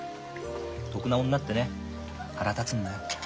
得な女ってね腹立つんだよ。